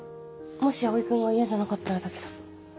もし蒼君が嫌じゃなかったらだけど。